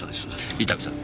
伊丹さん。